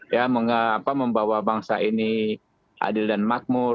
ya membawa bangsa ini adil dan makmur